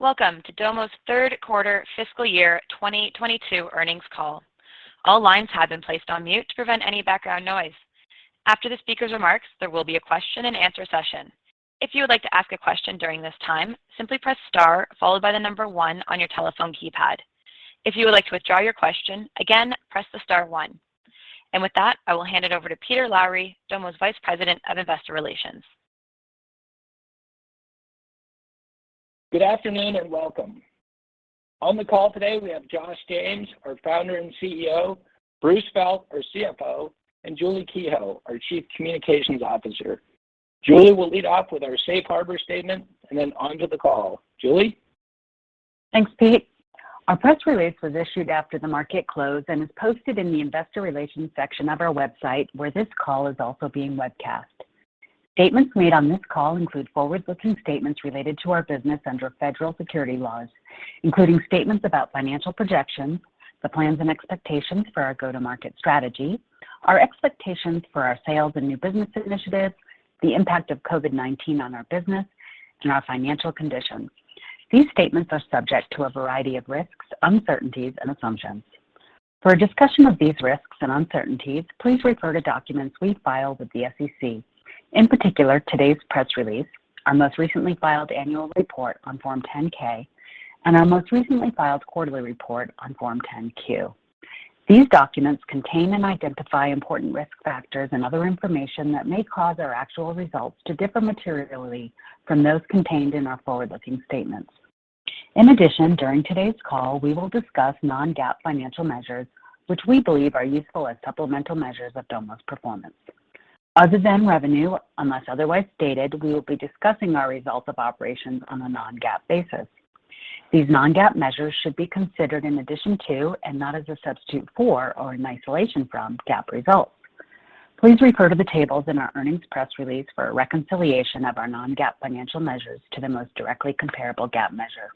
Welcome to Domo's third quarter fiscal year 2022 earnings call. All lines have been placed on mute to prevent any background noise. After the speaker's remarks, there will be a question and answer session. If you would like to ask a question during this time, simply press star followed by the number 1 on your telephone keypad. If you would like to withdraw your question, again, press the star 1. With that, I will hand it over to Peter Lowry, Domo's Vice President of Investor Relations. Good afternoon, and welcome. On the call today we have Josh James, our Founder and CEO, Bruce Felt, our CFO, and Julie Kehoe, our Chief Communications Officer. Julie will lead off with our safe harbor statement, and then on to the call. Julie? Thanks, Pete. Our press release was issued after the market closed and is posted in the investor relations section of our website, where this call is also being webcast. Statements made on this call include forward-looking statements related to our business under federal securities laws, including statements about financial projections, the plans and expectations for our go-to-market strategy, our expectations for our sales and new business initiatives, the impact of COVID-19 on our business, and our financial conditions. These statements are subject to a variety of risks, uncertainties, and assumptions. For a discussion of these risks and uncertainties, please refer to documents we've filed with the SEC. In particular, today's press release, our most recently filed annual report on Form 10-K, and our most recently filed quarterly report on Form 10-Q. These documents contain and identify important risk factors and other information that may cause our actual results to differ materially from those contained in our forward-looking statements. In addition, during today's call, we will discuss non-GAAP financial measures which we believe are useful as supplemental measures of Domo's performance. Other than revenue, unless otherwise stated, we will be discussing our results of operations on a non-GAAP basis. These non-GAAP measures should be considered in addition to and not as a substitute for or in isolation from GAAP results. Please refer to the tables in our earnings press release for a reconciliation of our non-GAAP financial measures to the most directly comparable GAAP measure.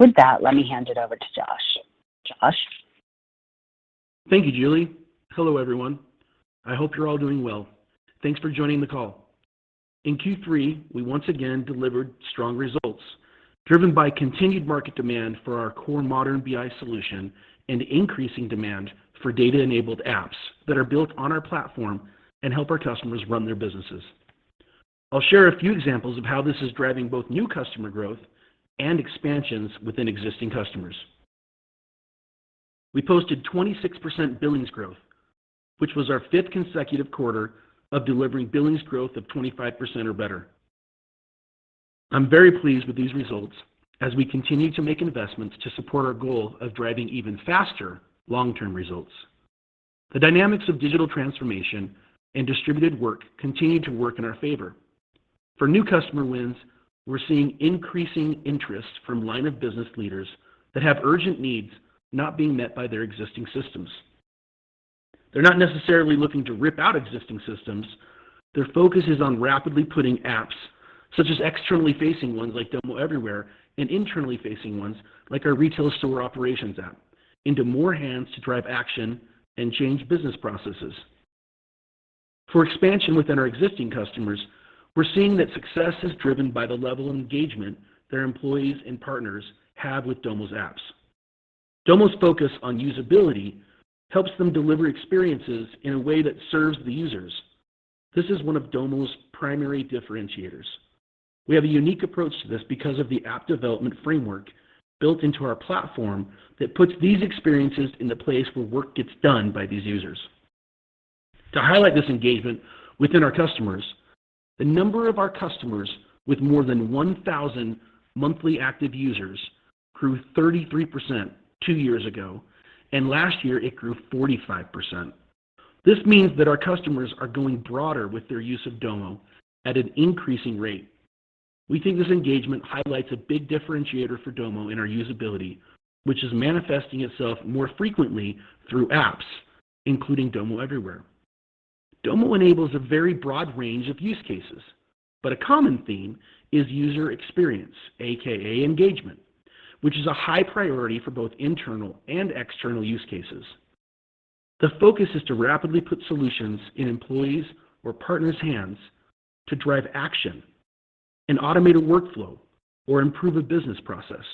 With that, let me hand it over to Josh. Josh? Thank you, Julie. Hello, everyone. I hope you're all doing well. Thanks for joining the call. In Q3, we once again delivered strong results driven by continued market demand for our core modern BI solution and increasing demand for data-enabled apps that are built on our platform and help our customers run their businesses. I'll share a few examples of how this is driving both new customer growth and expansions within existing customers. We posted 26% billings growth, which was our fifth consecutive quarter of delivering billings growth of 25% or better. I'm very pleased with these results as we continue to make investments to support our goal of driving even faster long-term results. The dynamics of digital transformation and distributed work continue to work in our favor. For new customer wins, we're seeing increasing interest from line of business leaders that have urgent needs not being met by their existing systems. They're not necessarily looking to rip out existing systems. Their focus is on rapidly putting apps, such as externally facing ones like Domo Everywhere and internally facing ones like our Retail Store Operations app, into more hands to drive action and change business processes. For expansion within our existing customers, we're seeing that success is driven by the level of engagement their employees and partners have with Domo's apps. Domo's focus on usability helps them deliver experiences in a way that serves the users. This is one of Domo's primary differentiators. We have a unique approach to this because of the app development framework built into our platform that puts these experiences in the place where work gets done by these users. To highlight this engagement within our customers, the number of our customers with more than 1,000 monthly active users grew 33% two years ago, and last year it grew 45%. This means that our customers are going broader with their use of Domo at an increasing rate. We think this engagement highlights a big differentiator for Domo in our usability, which is manifesting itself more frequently through apps, including Domo Everywhere. Domo enables a very broad range of use cases, but a common theme is user experience, AKA engagement, which is a high priority for both internal and external use cases. The focus is to rapidly put solutions in employees or partners' hands to drive action and automate a workflow or improve a business process.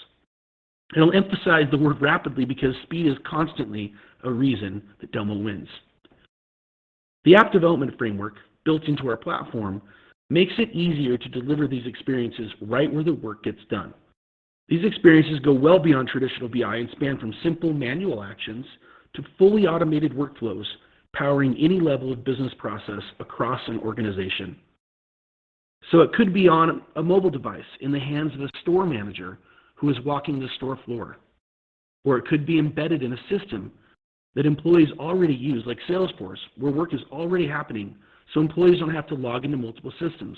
I'll emphasize the word rapidly because speed is constantly a reason that Domo wins. The app development framework built into our platform makes it easier to deliver these experiences right where the work gets done. These experiences go well beyond traditional BI and span from simple manual actions to fully automated workflows, powering any level of business process across an organization. It could be on a mobile device in the hands of a store manager who is walking the store floor. It could be embedded in a system that employees already use, like Salesforce, where work is already happening, so employees don't have to log into multiple systems.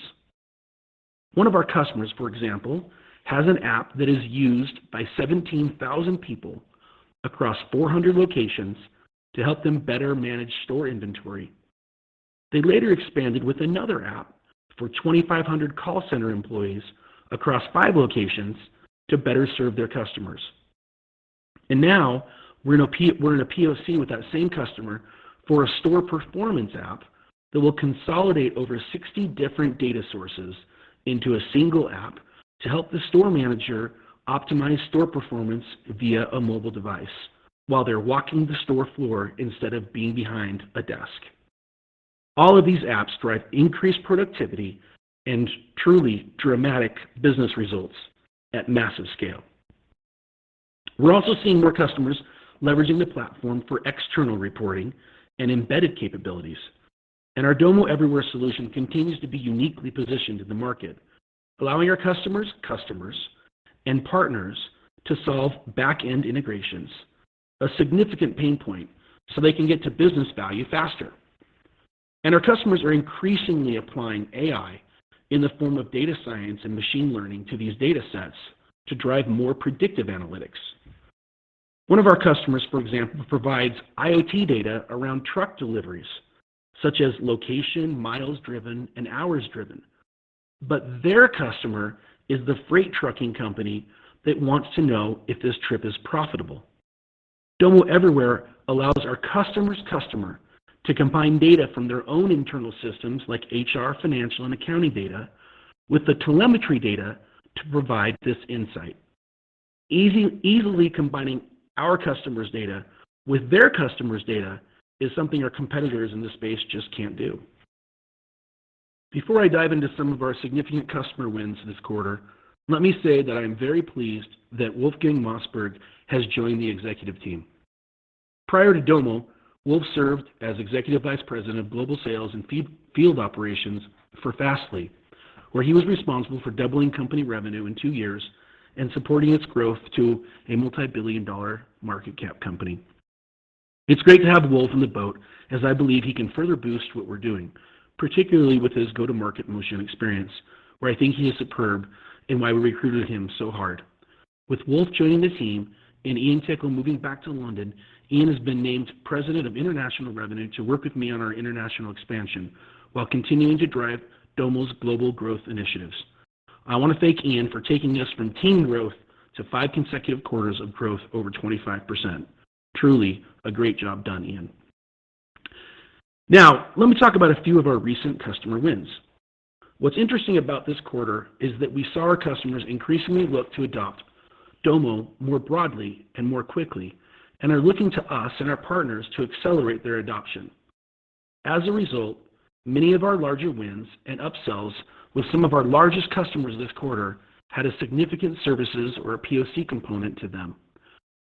One of our customers, for example, has an app that is used by 17,000 people across 400 locations to help them better manage store inventory. They later expanded with another app for 2,500 call center employees across five locations to better serve their customers. Now we're in a POC with that same customer for a store performance app that will consolidate over 60 different data sources into a single app to help the store manager optimize store performance via a mobile device while they're walking the store floor instead of being behind a desk. All of these apps drive increased productivity and truly dramatic business results at massive scale. We're also seeing more customers leveraging the platform for external reporting and embedded capabilities. Our Domo Everywhere solution continues to be uniquely positioned in the market, allowing our customers and partners to solve back-end integrations, a significant pain point, so they can get to business value faster. Our customers are increasingly applying AI in the form of data science and machine learning to these data sets to drive more predictive analytics. One of our customers, for example, provides IoT data around truck deliveries, such as location, miles driven, and hours driven. Their customer is the freight trucking company that wants to know if this trip is profitable. Domo Everywhere allows our customer's customer to combine data from their own internal systems like HR, financial, and accounting data with the telemetry data to provide this insight. Easily combining our customer's data with their customer's data is something our competitors in this space just can't do. Before I dive into some of our significant customer wins this quarter, let me say that I am very pleased that Wolfgang Maasberg has joined the executive team. Prior to Domo, Wolf served as Executive Vice President of Global Sales and Field Operations for Fastly, where he was responsible for doubling company revenue in two years and supporting its growth to a multi-billion dollar market cap company. It's great to have Wolf in the boat as I believe he can further boost what we're doing, particularly with his go-to-market motion experience, where I think he is superb and why we recruited him so hard. With Wolf joining the team and Ian Tickle moving back to London, Ian has been named President of International Revenue to work with me on our international expansion while continuing to drive Domo's global growth initiatives. I want to thank Ian for taking us from teen growth to five consecutive quarters of growth over 25%. Truly a great job done, Ian. Now, let me talk about a few of our recent customer wins. What's interesting about this quarter is that we saw our customers increasingly look to adopt Domo more broadly and more quickly, and are looking to us and our partners to accelerate their adoption. As a result, many of our larger wins and upsells with some of our largest customers this quarter had a significant services or a POC component to them.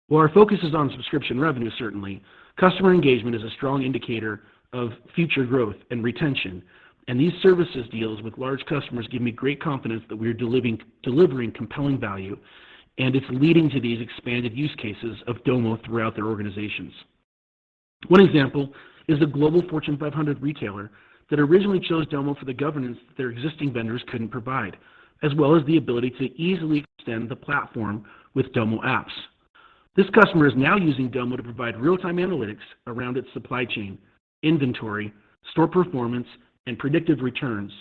While our focus is on subscription revenue certainly, customer engagement is a strong indicator of future growth and retention, and these services deals with large customers give me great confidence that we are delivering compelling value, and it's leading to these expanded use cases of Domo throughout their organizations. One example is a global Fortune 500 retailer that originally chose Domo for the governance that their existing vendors couldn't provide, as well as the ability to easily extend the platform with Domo apps. This customer is now using Domo to provide real-time analytics around its supply chain, inventory, store performance, and predictive returns,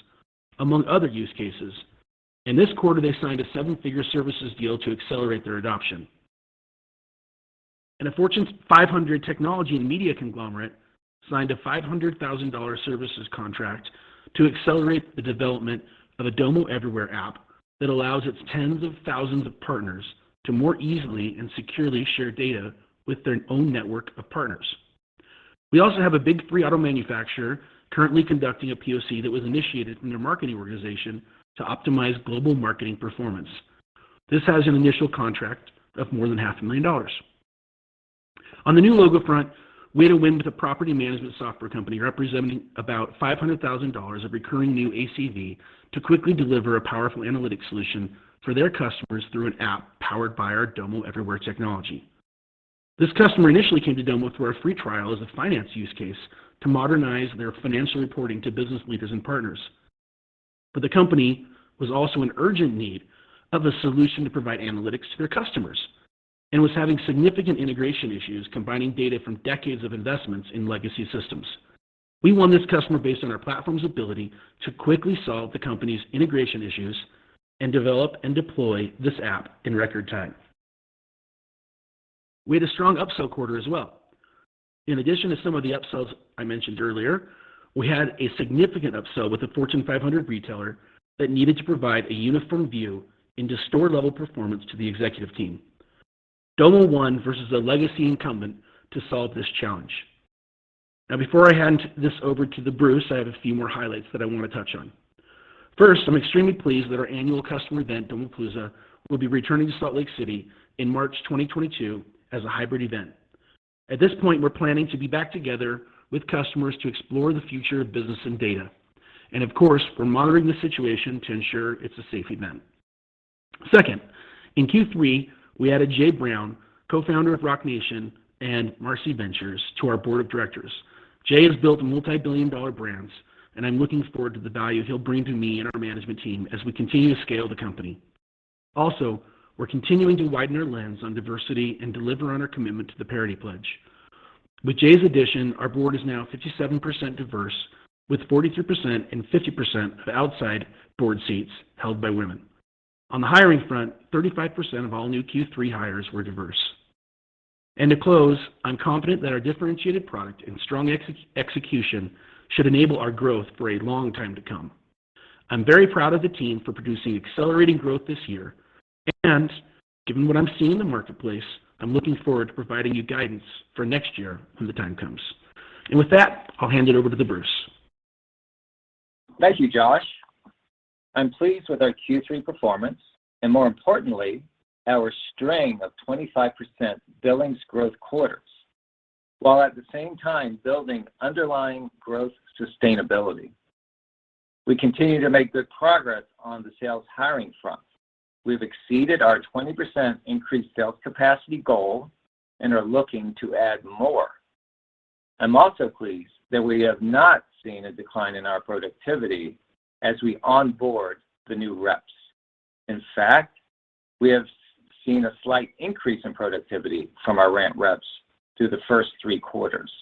among other use cases. In this quarter, they signed a seven-figure services deal to accelerate their adoption. A Fortune 500 technology and media conglomerate signed a $500,000 services contract to accelerate the development of a Domo Everywhere app that allows its tens of thousands of partners to more easily and securely share data with their own network of partners. We also have a big three auto manufacturer currently conducting a POC that was initiated in their marketing organization to optimize global marketing performance. This has an initial contract of more than half a million dollars. On the new logo front, we had a win with a property management software company representing about $500,000 of recurring new ACV to quickly deliver a powerful analytics solution for their customers through an app powered by our Domo Everywhere technology. This customer initially came to Domo through our free trial as a finance use case to modernize their financial reporting to business leaders and partners. The company was also in urgent need of a solution to provide analytics to their customers and was having significant integration issues combining data from decades of investments in legacy systems. We won this customer based on our platform's ability to quickly solve the company's integration issues and develop and deploy this app in record time. We had a strong upsell quarter as well. In addition to some of the upsells I mentioned earlier, we had a significant upsell with a Fortune 500 retailer that needed to provide a uniform view into store-level performance to the executive team. Domo won versus a legacy incumbent to solve this challenge. Now, before I hand this over to Bruce, I have a few more highlights that I want to touch on. First, I'm extremely pleased that our annual customer event, Domopalooza, will be returning to Salt Lake City in March 2022 as a hybrid event. At this point, we're planning to be back together with customers to explore the future of business and data. Of course, we're monitoring the situation to ensure it's a safe event. Second, in Q3, we added Jay Brown, co-founder of Roc Nation and Marcy Venture Partners, to our board of directors. Jay has built multi-billion dollar brands, and I'm looking forward to the value he'll bring to me and our management team as we continue to scale the company. Also, we're continuing to widen our lens on diversity and deliver on our commitment to the Parity Pledge. With Jay's addition, our board is now 57% diverse, with 43% and 50% of outside board seats held by women. On the hiring front, 35% of all new Q3 hires were diverse. To close, I'm confident that our differentiated product and strong execution should enable our growth for a long time to come. I'm very proud of the team for producing accelerating growth this year, and given what I'm seeing in the marketplace, I'm looking forward to providing you guidance for next year when the time comes. With that, I'll hand it over to Bruce. Thank you, Josh. I'm pleased with our Q3 performance, and more importantly, our string of 25% billings growth quarters, while at the same time building underlying growth sustainability. We continue to make good progress on the sales hiring front. We've exceeded our 20% increased sales capacity goal and are looking to add more. I'm also pleased that we have not seen a decline in our productivity as we onboard the new reps. In fact, we have seen a slight increase in productivity from our ramped reps through the first three quarters.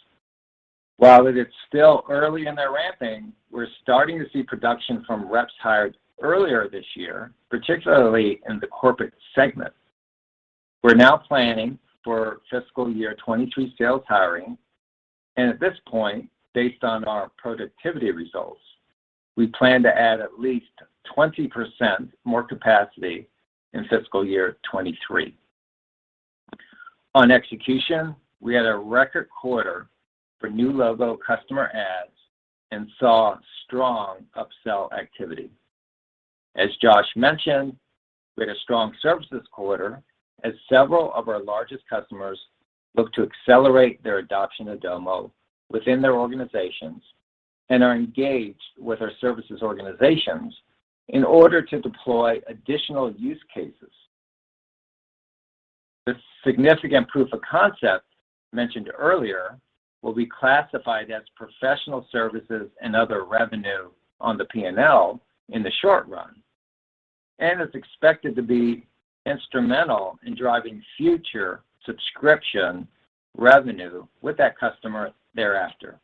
While it is still early in their ramping, we're starting to see production from reps hired earlier this year, particularly in the corporate segment. We're now planning for fiscal year 2023 sales hiring, and at this point, based on our productivity results, we plan to add at least 20% more capacity in fiscal year 2023. On execution, we had a record quarter for new logo customer adds and saw strong upsell activity. As Josh mentioned, we had a strong services quarter as several of our largest customers look to accelerate their adoption of Domo within their organizations and are engaged with our services organizations in order to deploy additional use cases. The significant proof of concept mentioned earlier will be classified as professional services and other revenue on the P&L in the short run, and is expected to be instrumental in driving future subscription revenue with that customer thereafter.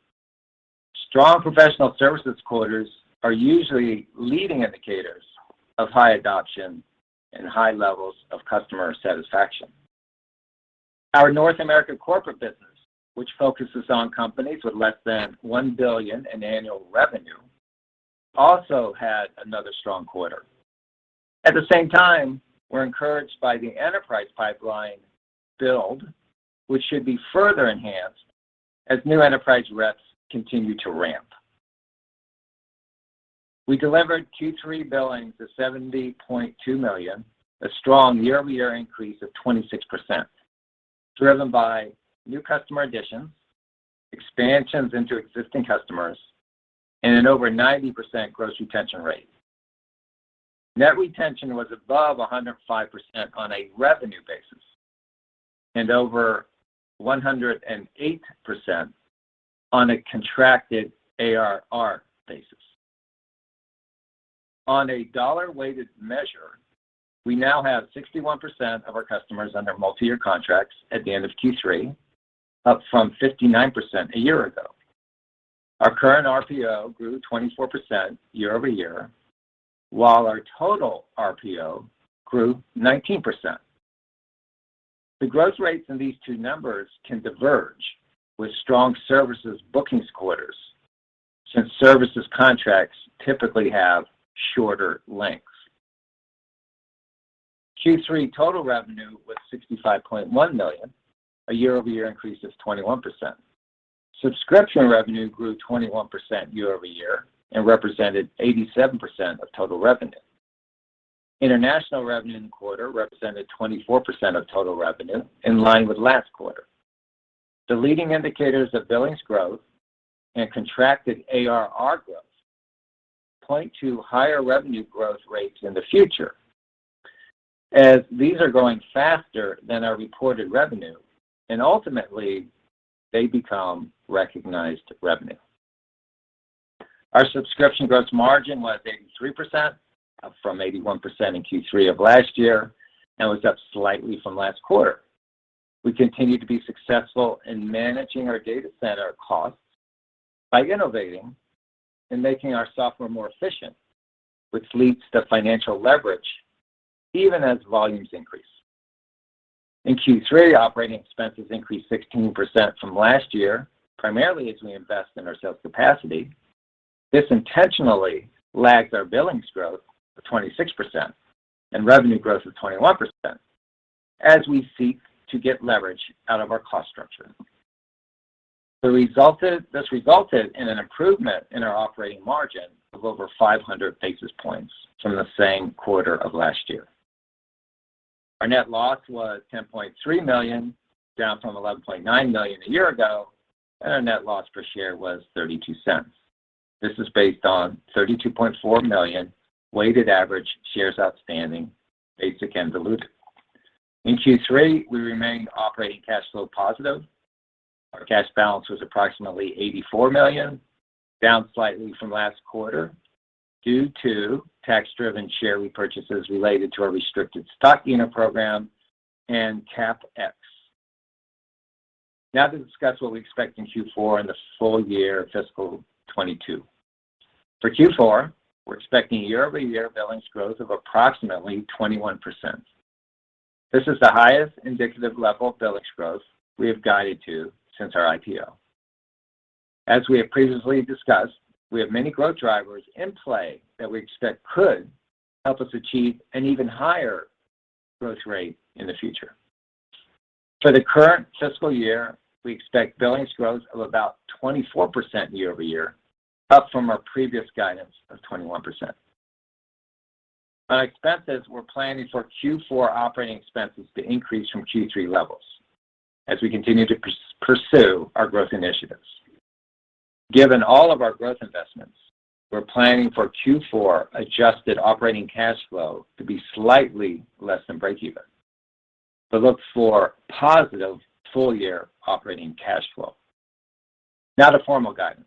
Strong professional services quarters are usually leading indicators of high adoption and high levels of customer satisfaction. Our North American corporate business, which focuses on companies with less than $1 billion in annual revenue, also had another strong quarter. At the same time, we're encouraged by the enterprise pipeline build, which should be further enhanced as new enterprise reps continue to ramp. We delivered Q3 billings of $70.2 million, a strong year-over-year increase of 26%, driven by new customer additions, expansions into existing customers, and an over 90% gross retention rate. Net retention was above 105% on a revenue basis, and over 108% on a contracted ARR basis. On a dollar-weighted measure, we now have 61% of our customers under multi-year contracts at the end of Q3, up from 59% a year ago. Our current RPO grew 24% year-over-year, while our total RPO grew 19%. The growth rates in these two numbers can diverge with strong services bookings quarters, since services contracts typically have shorter lengths. Q3 total revenue was $65.1 million, a year-over-year increase of 21%. Subscription revenue grew 21% year over year and represented 87% of total revenue. International revenue in the quarter represented 24% of total revenue, in line with last quarter. The leading indicators of billings growth and contracted ARR growth point to higher revenue growth rates in the future, as these are growing faster than our reported revenue, and ultimately, they become recognized revenue. Our subscription gross margin was 83%, up from 81% in Q3 of last year, and was up slightly from last quarter. We continue to be successful in managing our data center costs by innovating and making our software more efficient, which leads to financial leverage even as volumes increase. In Q3, operating expenses increased 16% from last year, primarily as we invest in our sales capacity. This intentionally lags our billings growth of 26% and revenue growth of 21% as we seek to get leverage out of our cost structure. This resulted in an improvement in our operating margin of over 500 basis points from the same quarter of last year. Our net loss was $10.3 million, down from $11.9 million a year ago, and our net loss per share was $0.32. This is based on 32.4 million weighted average shares outstanding, basic and diluted. In Q3, we remained operating cash flow positive. Our cash balance was approximately $84 million. Down slightly from last quarter due to tax-driven share repurchases related to our restricted stock unit program and CapEx. Now to discuss what we expect in Q4 and the full year fiscal 2022. For Q4, we're expecting year-over-year billings growth of approximately 21%. This is the highest indicative level of billings growth we have guided to since our IPO. As we have previously discussed, we have many growth drivers in play that we expect could help us achieve an even higher growth rate in the future. For the current fiscal year, we expect billings growth of about 24% year-over-year, up from our previous guidance of 21%. On expenses, we're planning for Q4 operating expenses to increase from Q3 levels as we continue to pursue our growth initiatives. Given all of our growth investments, we're planning for Q4 adjusted operating cash flow to be slightly less than breakeven, but look for positive full-year operating cash flow. Now to formal guidance.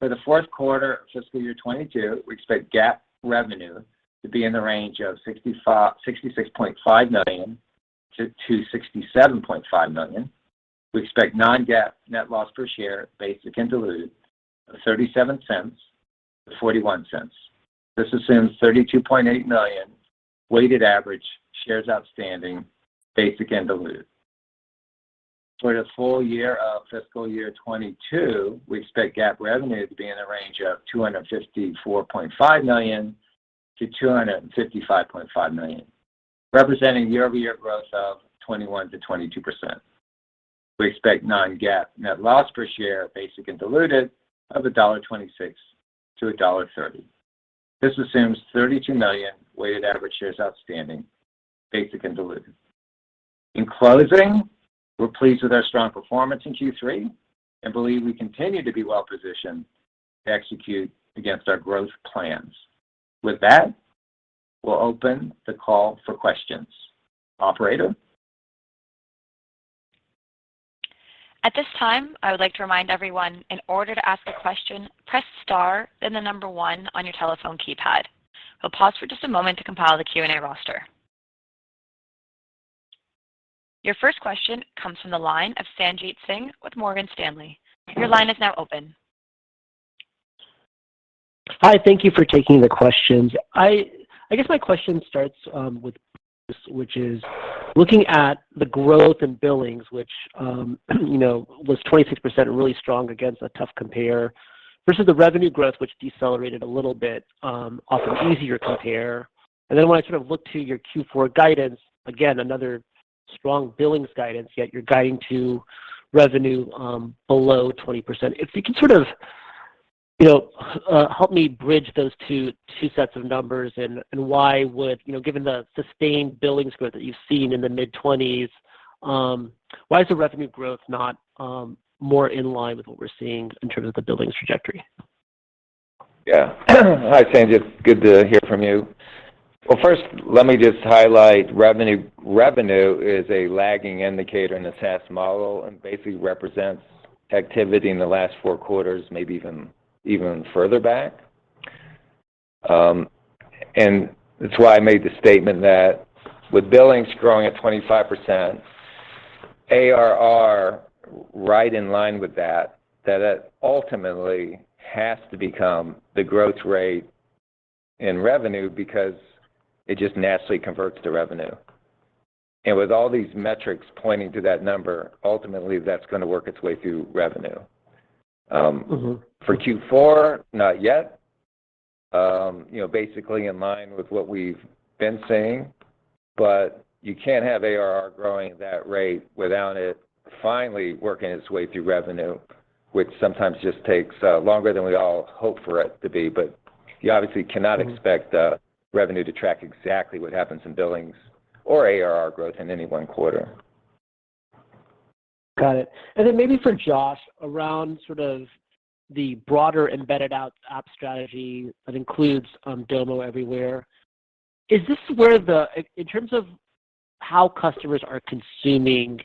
For the fourth quarter of fiscal year 2022, we expect GAAP revenue to be in the range of $66.5 million-$67.5 million. We expect non-GAAP net loss per share, basic and diluted, of $0.37-$0.41. This assumes 32.8 million weighted average shares outstanding, basic and diluted. For the full year of fiscal year 2022, we expect GAAP revenue to be in the range of $254.5 million-$255.5 million, representing year-over-year growth of 21%-22%. We expect non-GAAP net loss per share, basic and diluted, of $1.26-$1.30. This assumes 32 million weighted average shares outstanding, basic and diluted. In closing, we're pleased with our strong performance in Q3 and believe we continue to be well positioned to execute against our growth plans. With that, we'll open the call for questions. Operator? At this time, I would like to remind everyone, in order to ask a question, press star, then the number one on your telephone keypad. We'll pause for just a moment to compile the Q&A roster. Your first question comes from the line of Sanjit Singh with Morgan Stanley. Your line is now open. Hi. Thank you for taking the questions. I guess my question starts with this, which is looking at the growth in billings, which, you know, was 26%, really strong against a tough compare, versus the revenue growth, which decelerated a little bit, off an easier compare. Then when I sort of look to your Q4 guidance, again, another strong billings guidance, yet you're guiding to revenue below 20%. If you can sort of, you know, help me bridge those two sets of numbers and why would, you know, given the sustained billings growth that you've seen in the mid-20s, why is the revenue growth not more in line with what we're seeing in terms of the billings trajectory? Yeah. Hi, Sanjit. Good to hear from you. Well, first, let me just highlight revenue. Revenue is a lagging indicator in the SaaS model and basically represents activity in the last four quarters, maybe even further back. That's why I made the statement that with billings growing at 25%, ARR right in line with that ultimately has to become the growth rate in revenue because it just naturally converts to revenue. With all these metrics pointing to that number, ultimately, that's gonna work its way through revenue. Mm-hmm. For Q4, not yet. You know, basically in line with what we've been saying. You can't have ARR growing at that rate without it finally working its way through revenue, which sometimes just takes longer than we'd all hope for it to be. You obviously cannot expect- Mm-hmm. Revenue to track exactly what happens in billings or ARR growth in any one quarter. Got it. Then maybe for Josh, around sort of the broader embedded apps strategy that includes, Domo Everywhere. In terms of how customers are consuming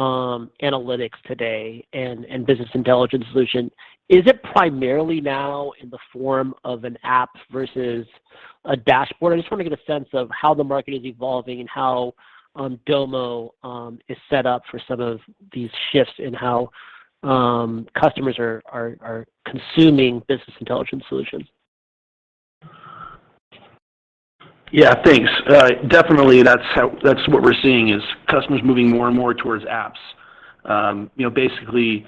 analytics today and business intelligence solution, is it primarily now in the form of an app versus a dashboard? I just want to get a sense of how the market is evolving and how Domo is set up for some of these shifts in how customers are consuming business intelligence solutions. Yeah. Thanks. Definitely that's what we're seeing is customers moving more and more towards apps. You know, basically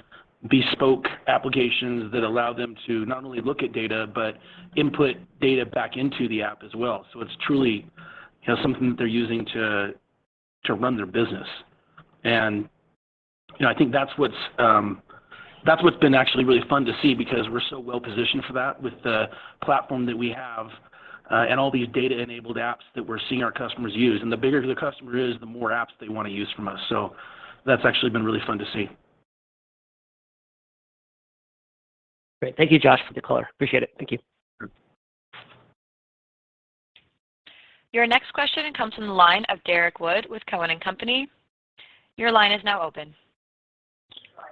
bespoke applications that allow them to not only look at data, but input data back into the app as well. It's truly, you know, something that they're using to run their business. You know, I think that's what's been actually really fun to see because we're so well positioned for that with the platform that we have, and all these data-enabled apps that we're seeing our customers use. The bigger the customer is, the more apps they want to use from us. That's actually been really fun to see. Great. Thank you, Josh, for the color. Appreciate it. Thank you. Sure. Your next question comes from the line of Derrick Wood with Cowen and Company. Your line is now open.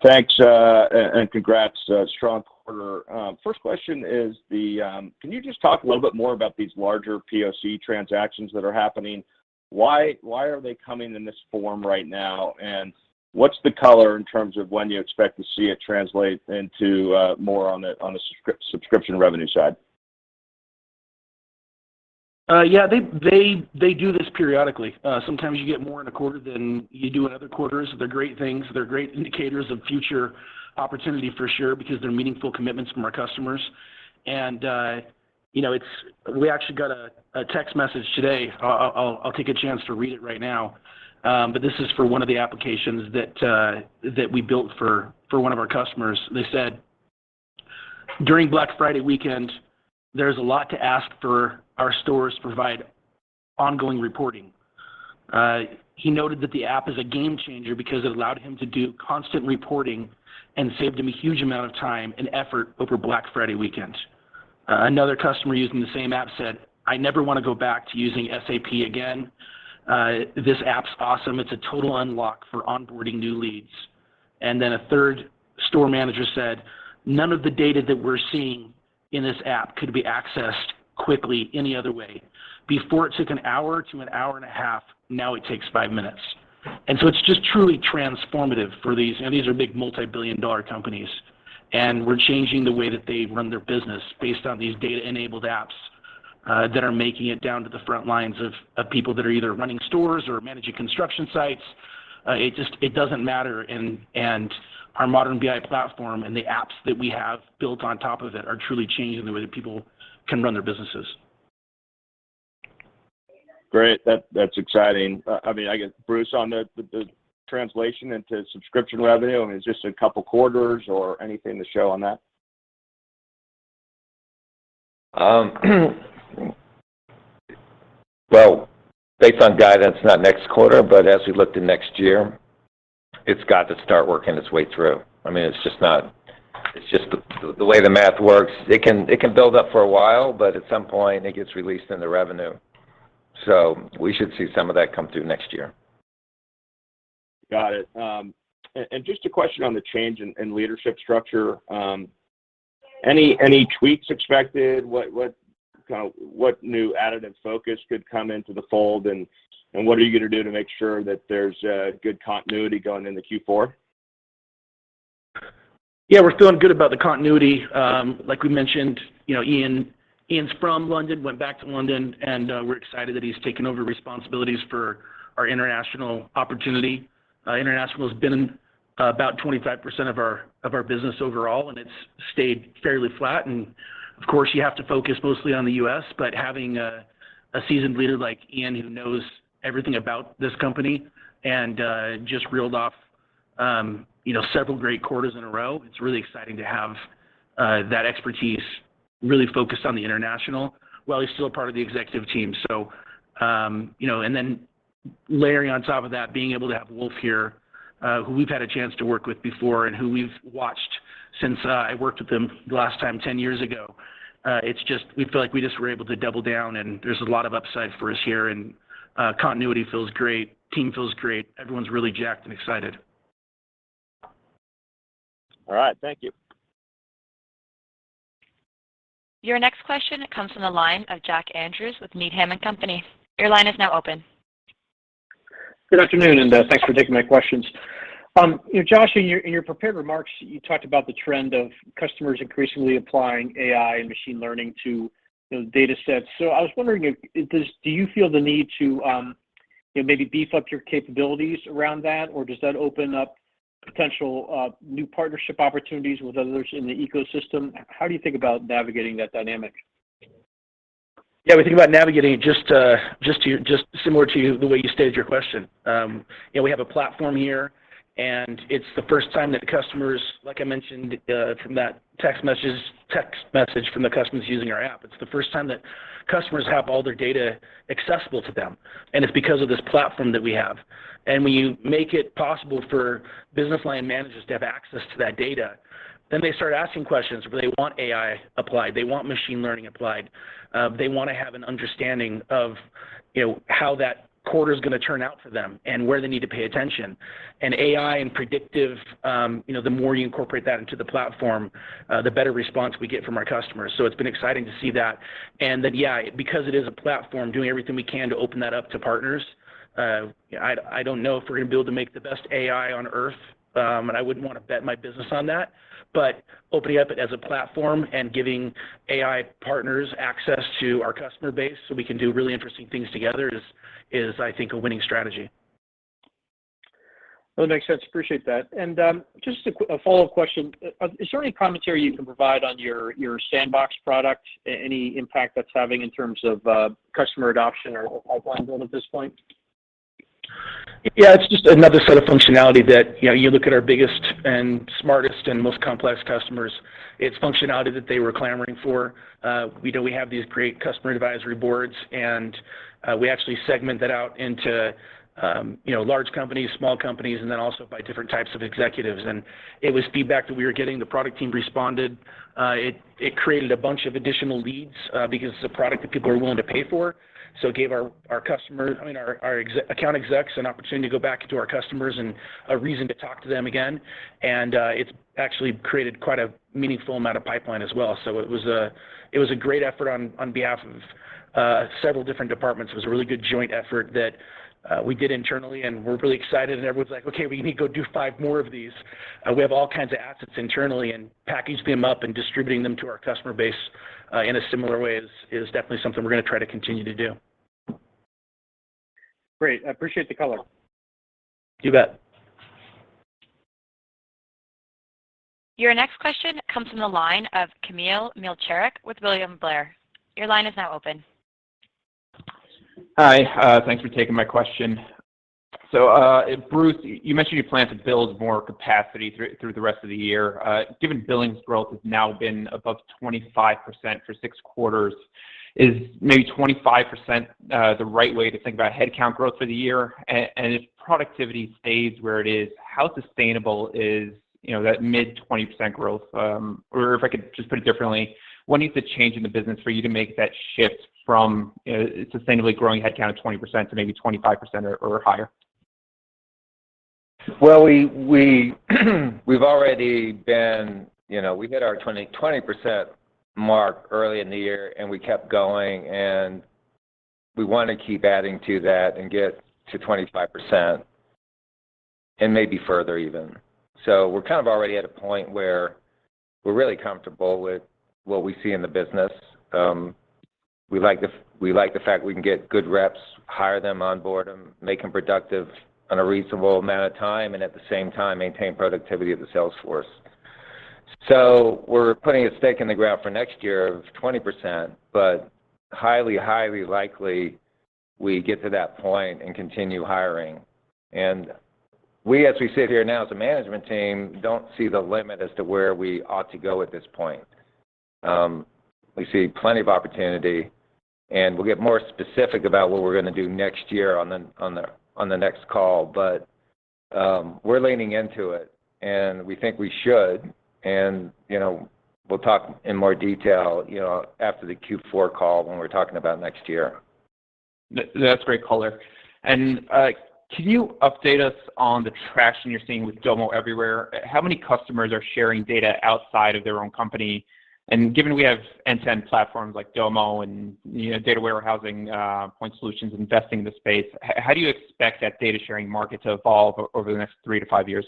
Thanks, and congrats. Strong quarter. First question is, can you just talk a little bit more about these larger POC transactions that are happening? Why are they coming in this form right now? What's the color in terms of when you expect to see it translate into more on the subscription revenue side? Yeah. They do this periodically. Sometimes you get more in a quarter than you do in other quarters. They're great things. They're great indicators of future opportunity for sure, because they're meaningful commitments from our customers. You know, we actually got a text message today. I'll take a chance to read it right now. This is for one of the applications that we built for one of our customers. They said, "During Black Friday weekend, there's a lot to ask for. Our stores provide ongoing reporting." He noted that the app is a game changer because it allowed him to do constant reporting and saved him a huge amount of time and effort over Black Friday weekend. Another customer using the same app said, "I never wanna go back to using SAP again. This app's awesome. It's a total unlock for onboarding new leads." Then a third store manager said, "None of the data that we're seeing in this app could be accessed quickly any other way. Before, it took an hour to an hour and a half, now it takes 5 minutes." It's just truly transformative for these. These are big multi-billion dollar companies, and we're changing the way that they run their business based on these data-enabled apps, that are making it down to the front lines of people that are either running stores or managing construction sites. It just doesn't matter and our modern BI platform and the apps that we have built on top of it are truly changing the way that people can run their businesses. Great. That's exciting. I mean, I guess, Bruce, on the translation into subscription revenue, I mean, is this a couple quarters or anything to show on that? Well, based on guidance, not next quarter, but as we look to next year, it's got to start working its way through. I mean, it's just the way the math works. It can build up for a while, but at some point it gets released in the revenue. We should see some of that come through next year. Got it. Just a question on the change in leadership structure. Any tweaks expected? What kind of new additive focus could come into the fold? What are you gonna do to make sure that there's good continuity going into Q4? Yeah, we're feeling good about the continuity. Like we mentioned, you know, Ian's from London, went back to London, and we're excited that he's taken over responsibilities for our international opportunity. International has been about 25% of our business overall, and it's stayed fairly flat. Of course, you have to focus mostly on the U.S., but having a seasoned leader like Ian who knows everything about this company and just reeled off, you know, several great quarters in a row, it's really exciting to have that expertise really focused on the international while he's still part of the executive team. You know, and then layering on top of that, being able to have Wolf here, who we've had a chance to work with before and who we've watched since I worked with him last time, ten years ago. It's just, we feel like we just were able to double down, and there's a lot of upside for us here, and continuity feels great. Team feels great. Everyone's really jacked and excited. All right. Thank you. Your next question comes from the line of Jack Andrews with Needham & Company. Your line is now open. Good afternoon, and thanks for taking my questions. You know, Josh, in your prepared remarks, you talked about the trend of customers increasingly applying AI and machine learning to, you know, data sets. I was wondering, do you feel the need to, you know, maybe beef up your capabilities around that, or does that open up potential new partnership opportunities with others in the ecosystem? How do you think about navigating that dynamic? Yeah, we think about navigating it just similar to the way you stated your question. You know, we have a platform here, and it's the first time that customers, like I mentioned, from that text message from the customers using our app, it's the first time that customers have all their data accessible to them, and it's because of this platform that we have. When you make it possible for business line managers to have access to that data, then they start asking questions where they want AI applied, they want machine learning applied, they wanna have an understanding of, you know, how that quarter's gonna turn out for them and where they need to pay attention. AI and predictive, you know, the more you incorporate that into the platform, the better response we get from our customers. It's been exciting to see that. Because it is a platform, doing everything we can to open that up to partners. You know, I don't know if we're gonna be able to make the best AI on Earth, and I wouldn't wanna bet my business on that. Opening up as a platform and giving AI partners access to our customer base so we can do really interesting things together is, I think, a winning strategy. That makes sense. Appreciate that. Just a follow-up question. Is there any commentary you can provide on your Sandbox product, any impact that's having in terms of customer adoption or pipeline build at this point? Yeah. It's just another set of functionality that, you know, you look at our biggest and smartest and most complex customers. It's functionality that they were clamoring for. We have these great customer advisory boards, and we actually segment that out into, you know, large companies, small companies, and then also by different types of executives. It was feedback that we were getting. The product team responded. It created a bunch of additional leads because it's a product that people are willing to pay for. It gave our customers, I mean, our account execs an opportunity to go back to our customers and a reason to talk to them again. It's actually created quite a meaningful amount of pipeline as well. It was a great effort on behalf of several different departments. It was a really good joint effort that we did internally, and we're really excited, and everyone's like, "Okay, we need to go do five more of these." We have all kinds of assets internally, and packaging them up and distributing them to our customer base in a similar way is definitely something we're gonna try to continue to do. Great. I appreciate the color. You bet. Your next question comes from the line of Kamil Mielczarek with William Blair. Your line is now open. Hi, thanks for taking my question. Bruce, you mentioned you plan to build more capacity through the rest of the year. Given billings growth has now been above 25% for six quarters, is maybe 25% the right way to think about headcount growth for the year? If productivity stays where it is, how sustainable is, you know, that mid-20% growth? If I could just put it differently, what needs to change in the business for you to make that shift from sustainably growing headcount of 20% to maybe 25% or higher? We've already been, you know, we hit our 20% mark early in the year, and we kept going, and we wanna keep adding to that and get to 25% and maybe further even. We're kind of already at a point where we're really comfortable with what we see in the business. We like the fact we can get good reps, hire them, onboard them, make them productive in a reasonable amount of time, and at the same time, maintain productivity of the sales force. We're putting a stake in the ground for next year of 20%, but highly likely we get to that point and continue hiring. We, as we sit here now as a management team, don't see the limit as to where we ought to go at this point. We see plenty of opportunity, and we'll get more specific about what we're gonna do next year on the next call. We're leaning into it, and we think we should. You know, we'll talk in more detail, you know, after the Q4 call when we're talking about next year. That's great color. Can you update us on the traction you're seeing with Domo Everywhere? How many customers are sharing data outside of their own company? Given we have end-to-end platforms like Domo and, you know, data warehousing, point solutions investing in the space, how do you expect that data sharing market to evolve over the next three to five years?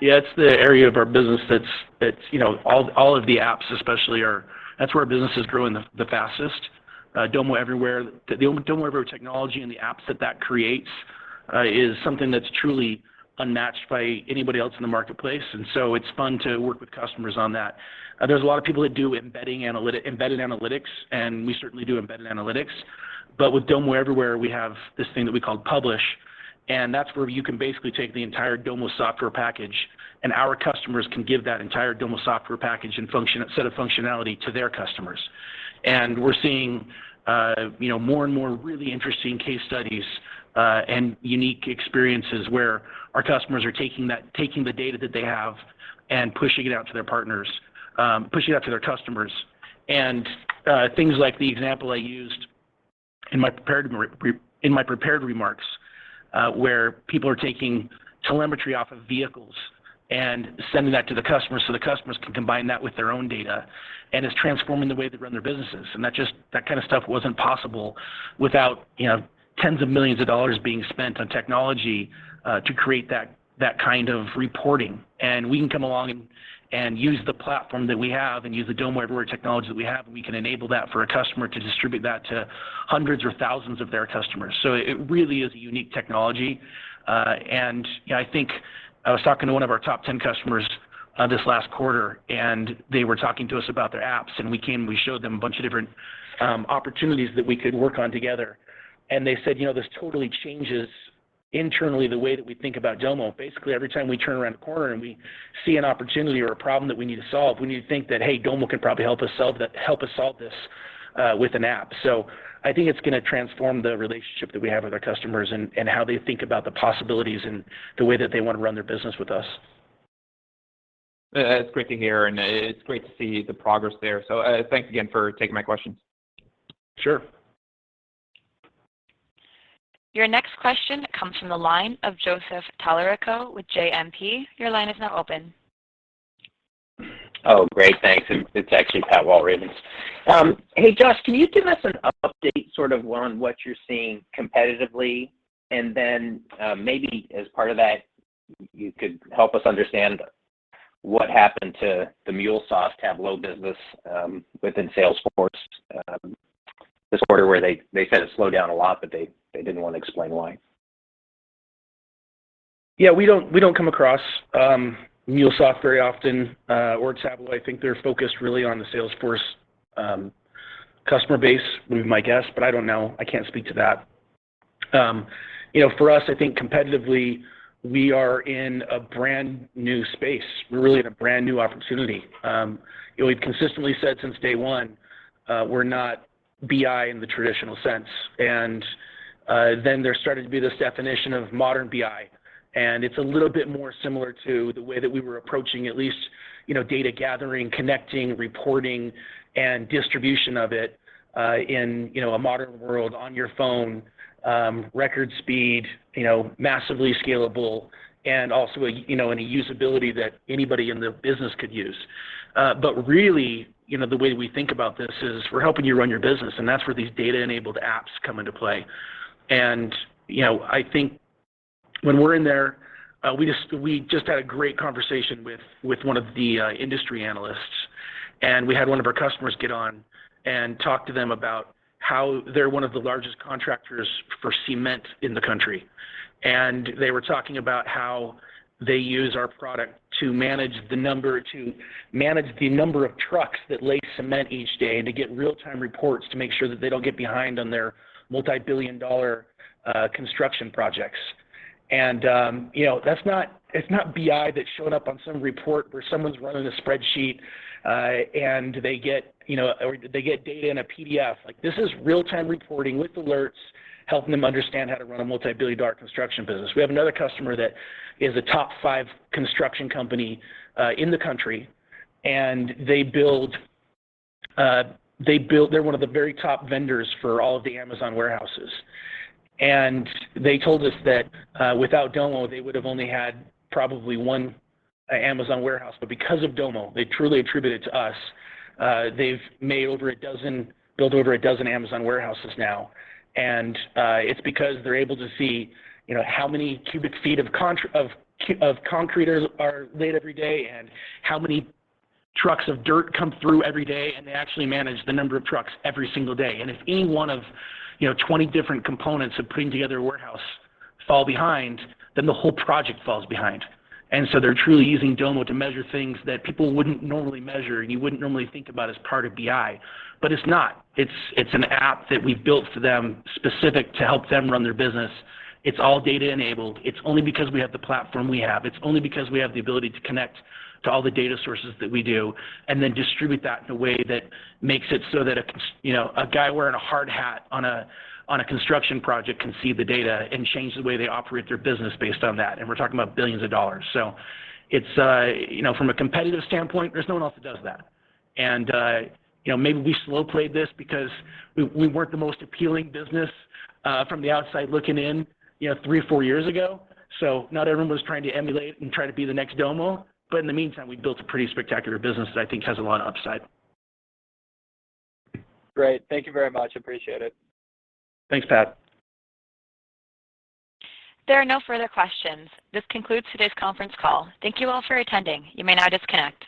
Yeah, it's the area of our business that's you know all of the apps especially are. That's where our business is growing the fastest. Domo Everywhere, the Domo Everywhere technology and the apps that creates is something that's truly unmatched by anybody else in the marketplace, and so it's fun to work with customers on that. There's a lot of people that do embedded analytics, and we certainly do embedded analytics. But with Domo Everywhere, we have this thing that we call Publish, and that's where you can basically take the entire Domo software package, and our customers can give that entire Domo software package and set of functionality to their customers. We're seeing, you know, more and more really interesting case studies, and unique experiences where our customers are taking the data that they have and pushing it out to their partners, pushing it out to their customers. Things like the example I used in my prepared remarks, where people are taking telemetry off of vehicles and sending that to the customers so the customers can combine that with their own data, and it's transforming the way they run their businesses. That kind of stuff wasn't possible without, you know, tens of millions of dollars being spent on technology, to create that kind of reporting. We can come along and use the platform that we have and use the Domo Everywhere technology that we have, and we can enable that for a customer to distribute that to hundreds or thousands of their customers. It really is a unique technology. You know, I think I was talking to one of our top 10 customers this last quarter, and they were talking to us about their apps, and we showed them a bunch of different opportunities that we could work on together. They said, "You know, this totally changes internally the way that we think about Domo. Basically, every time we turn around a corner and we see an opportunity or a problem that we need to solve, we need to think that, 'Hey, Domo can probably help us solve this with an app.' I think it's gonna transform the relationship that we have with our customers and how they think about the possibilities and the way that they want to run their business with us. That's great to hear, and it's great to see the progress there. Thanks again for taking my questions. Sure. Your next question comes from the line of Joseph Talarico with JMP. Your line is now open. Oh, great. Thanks. It's actually Patrick Walravens. Hey, Josh, can you give us an update sort of on what you're seeing competitively? Then, maybe as part of that, you could help us understand what happened to the MuleSoft Tableau business within Salesforce this quarter where they said it slowed down a lot, but they didn't wanna explain why. Yeah, we don't come across MuleSoft very often, or Tableau. I think they're focused really on the Salesforce customer base, would be my guess, but I don't know. I can't speak to that. You know, for us, I think competitively, we are in a brand new space. We're really in a brand new opportunity. You know, we've consistently said since day one, we're not BI in the traditional sense. Then there started to be this definition of modern BI, and it's a little bit more similar to the way that we were approaching at least, you know, data gathering, connecting, reporting, and distribution of it, in, you know, a modern world on your phone, record speed, you know, massively scalable, and also a, you know, and a usability that anybody in the business could use. really, you know, the way we think about this is we're helping you run your business, and that's where these data-enabled apps come into play. You know, I think when we're in there, we just had a great conversation with one of the industry analysts, and we had one of our customers get on and talk to them about how they're one of the largest contractors for cement in the country. They were talking about how they use our product to manage the number of trucks that lay cement each day and to get real-time reports to make sure that they don't get behind on their multi-billion dollar construction projects. You know, it's not BI that showed up on some report where someone's running a spreadsheet, and they get, you know, or they get data in a PDF. Like, this is real-time reporting with alerts, helping them understand how to run a multi-billion-dollar construction business. We have another customer that is a top five construction company in the country, and they build. They're one of the very top vendors for all of the Amazon warehouses. They told us that without Domo, they would have only had probably one Amazon warehouse. Because of Domo, they truly attribute it to us. They've built over a dozen Amazon warehouses now. It's because they're able to see, you know, how many cubic feet of concrete are laid every day and how many trucks of dirt come through every day, and they actually manage the number of trucks every single day. If any one of, you know, 20 different components of putting together a warehouse fall behind, then the whole project falls behind. They're truly using Domo to measure things that people wouldn't normally measure, and you wouldn't normally think about as part of BI, but it's not. It's an app that we've built for them specific to help them run their business. It's all data-enabled. It's only because we have the platform we have. It's only because we have the ability to connect to all the data sources that we do and then distribute that in a way that makes it so that you know a guy wearing a hard hat on a construction project can see the data and change the way they operate their business based on that, and we're talking about billions of dollars. It's you know from a competitive standpoint, there's no one else that does that. You know maybe we slow-played this because we weren't the most appealing business from the outside looking in, you know three, four years ago. Not everyone was trying to emulate and try to be the next Domo. In the meantime, we built a pretty spectacular business that I think has a lot of upside. Great. Thank you very much. Appreciate it. Thanks, Pat. There are no further questions. This concludes today's conference call. Thank you all for attending. You may now disconnect.